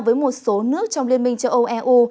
với một số nước trong liên minh châu âu eu